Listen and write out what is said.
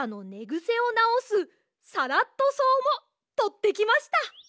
ぐせをなおすサラットそうもとってきました。